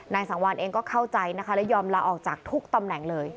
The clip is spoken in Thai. สังวานเองก็เข้าใจนะคะและยอมลาออกจากทุกตำแหน่งเลย